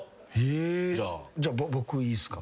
じゃあ僕いいっすか？